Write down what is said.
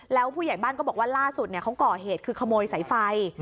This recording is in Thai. แล้วผู้ใหญ่บ้านก็บอกว่าล่าสุดเขาก่อเหตุคือขโมยสายไฟ